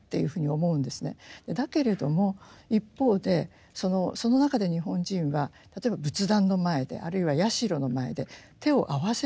だけれども一方でその中で日本人は例えば仏壇の前であるいは社の前で手を合わせるわけですよ。